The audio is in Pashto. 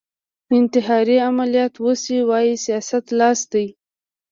انتحاري عملیات وشي وايي سیاست لاس دی